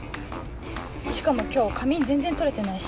しかも今日仮眠全然取れてないし。